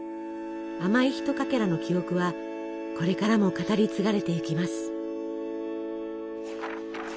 甘いひとかけらの記憶はこれからも語り継がれていきます。